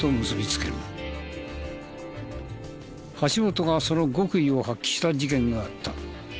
橋本がその極意を発揮した事件があった。